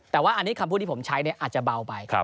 แต่ว่าอันนี้คำพูดที่ผมใช้อาจจะเบาไป